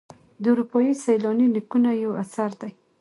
د اروپایي سیلاني لیکونه یو اثر دی.